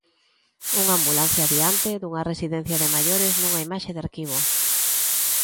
Unha ambulancia diante dunha residencia de maiores, nunha imaxe de arquivo.